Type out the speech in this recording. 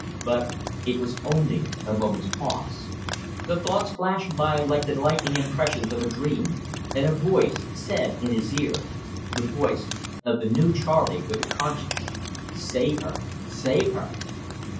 But it was only a moment's pause. The thoughts flashed by like the lightning impressions of a dream, and a voice said in his ear, the voice of the new Charley with a conscience: "Save her save her!"